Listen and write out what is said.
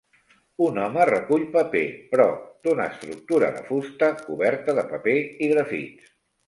Un home recull paper pro d'una estructura de fusta coberta de paper i grafits.